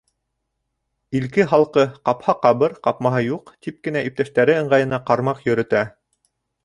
Илке-һалҡы, ҡапһа ҡабыр, ҡапмаһа юҡ, тип кенә иптәштәре ыңғайына ҡармаҡ йөрөтә.